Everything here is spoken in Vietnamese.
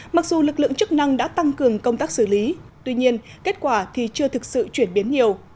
mặc dù lực lượng chức năng đã tăng cường công tác xử lý tuy nhiên kết quả thì chưa thực sự chuyển biến nhiều